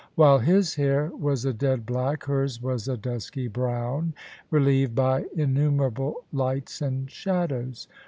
While his hair was a dead black, hers was a dusky brown, relieved by in numerable lights and shadows.